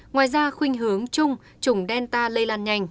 ngoài ra khuyên hướng chung chủng delta lây lan nhanh